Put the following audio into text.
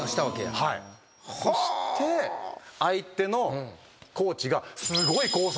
そして相手のコーチが。